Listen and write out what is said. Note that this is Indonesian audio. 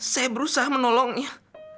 saya berusaha menolongnya